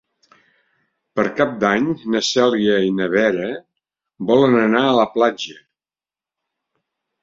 Per Cap d'Any na Cèlia i na Vera volen anar a la platja.